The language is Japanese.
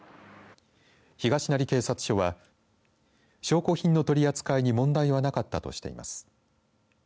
東成警察署は証拠品の取り扱いに問題はなかったとしています。